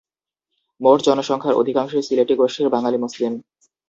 মোট জনসংখ্যার অধিকাংশই সিলেটি গোষ্ঠীর বাঙালি মুসলিম।